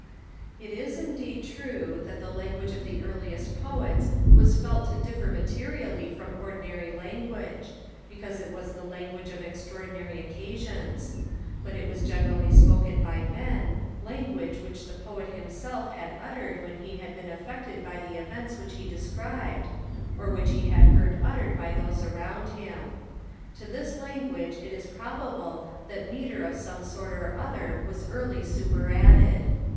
It is indeed true, that the language of the earliest Poets was felt to differ materially from ordinary language, because it was the language of extraordinary occasions; but it was really spoken by men, language which the Poet himself had uttered when he had been affected by the events which he described, or which he had heard uttered by those around him. To this language it is probable that metre of some sort or other was early superadded.